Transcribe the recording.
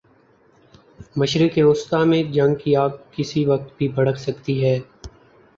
مشرق وسطی میں جنگ کی آگ کسی وقت بھی بھڑک سکتی ہے۔